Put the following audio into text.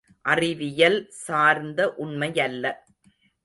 அறிவியல் சார்ந்த உண்மையல்ல.